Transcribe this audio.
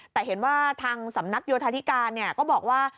แต่เห็นว่าทางสำนักโยธาธิการก็บอกว่า